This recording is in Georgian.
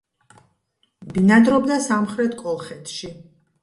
ბინადრობდა სამხრეთ კოლხეთში.